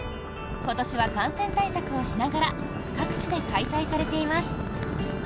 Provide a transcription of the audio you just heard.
今年は感染対策をしながら各地で開催されています。